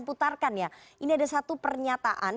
putarkan ya ini ada satu pernyataan